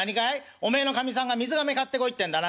おめえのかみさんが水がめ買ってこいってんだな。